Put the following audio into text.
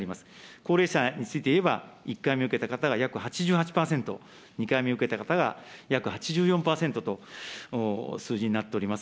高齢者についていえば、１回目を受けた方が約８８％、２回目受けた方が約８４％と、数字になっております。